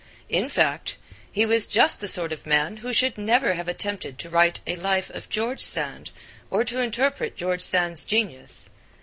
In fact, he was just the sort of man who should never have attempted to write a Life of George Sand or to interpret George Sand's genius.